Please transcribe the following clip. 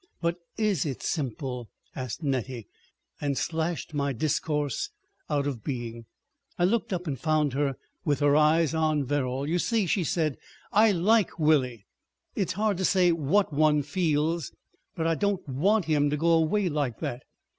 "But IS it simple?" asked Nettie, and slashed my discourse out of being. I looked up and found her with her eyes on Verrall. "You see," she said, "I like Willie. It's hard to say what one feels—but I don't want him to go away like that."